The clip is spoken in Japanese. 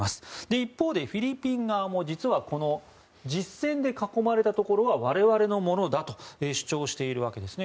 一方でフィリピン側も実はこの実線で囲まれたところは我々のものだと主張しているわけですね。